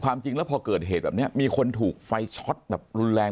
จริงแล้วพอเกิดเหตุแบบนี้มีคนถูกไฟช็อตแบบรุนแรง